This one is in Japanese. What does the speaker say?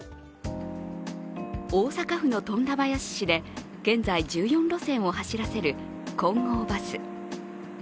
大阪府の富田林市で現在１４路線を走らせる金剛バス。